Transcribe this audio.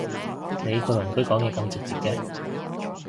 你個鄰居講嘢咁直接嘅？